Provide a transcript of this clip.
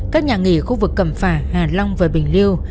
các nhà nghỉ khu vực cẩm phả hà long và bình liêu